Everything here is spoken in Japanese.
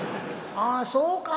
「ああそうか」。